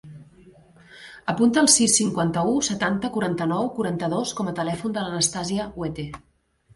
Apunta el sis, cinquanta-u, setanta, quaranta-nou, quaranta-dos com a telèfon de l'Anastàsia Huete.